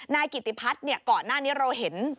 นายกิติพัฒก่อนหน้านี้เราเห็นในข่าวแล้วแหละ